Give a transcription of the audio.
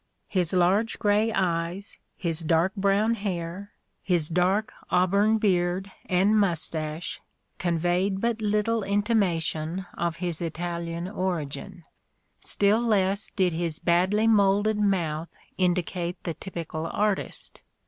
His large grey eyes, his dark brown hair, his dark auburn beard and moustache conveyed but little intimation of his Italian origin : still less A DAY WITH ROSSETTI. did his badly moulded mouth indicate the typical artist.